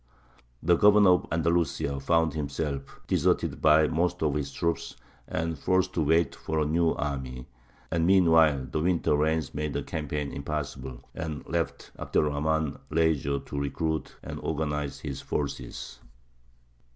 The Governor of Andalusia found himself deserted by most of his troops and forced to wait for a new army; and meanwhile the winter rains made a campaign impossible, and left Abd er Rahmān leisure to recruit and organize his forces.